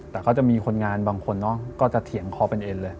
แต่ก็จะมีคนงานบางคนเนอะก็จะเถียงคอเป็นเอ็นเลย